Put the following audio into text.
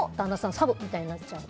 サブみたいになっちゃう。